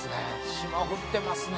霜降ってますね。